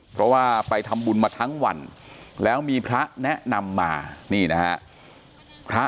เพราะว่าไปทำบุญมาทั้งวันแล้วมีพระแนะนำมานี่นะฮะพระ